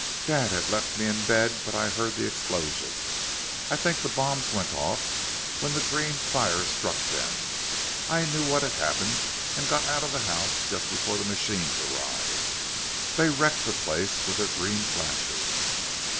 "Dad had left me in bed, but I heard an explosion. I think the bombs went off when the green fire struck them. I knew what had happened, and got out of the house just before the machines arrived. They wrecked the place with their green flashes.